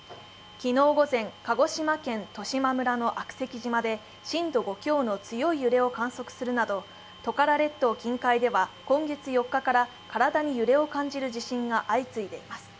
昨日午前、鹿児島県十島村の悪石島で震度５強の強い揺れを観測するなどトカラ列島近海では今月４日から体に揺れを感じる地震が相次いでいます。